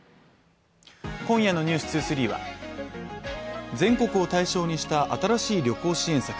今夜の「ｎｅｗｓ２３」は全国を対象にした新しい旅行支援策。